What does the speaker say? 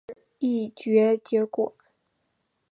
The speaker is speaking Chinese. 审查会议之议决结果